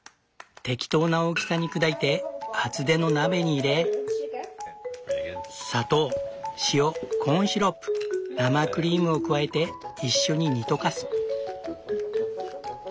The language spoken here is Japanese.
適当な大きさに砕いて厚手の鍋に入れ砂糖塩コーンシロップ生クリームを加えて一緒に煮溶かす。